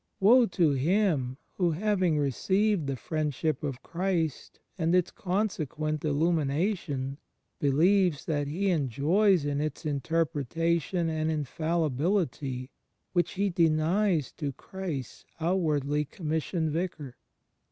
Woe to him who hav 42 THE FRIENDSHIP OF CHRIST ing received the Friendship of Christ, and its consequent illumination, believes that he enjoys in its interpreta tion an infallibility which he denies to Christ's out wardly commissioned Vicar!